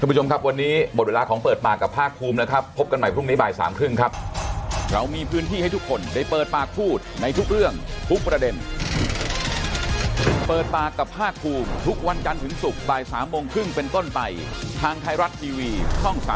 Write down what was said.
ผู้ชมครับวันนี้หมดเวลาของเปิดปากกับภาคภูมินะครับพบกันใหม่พรุ่งนี้บ่ายสามครึ่งครับ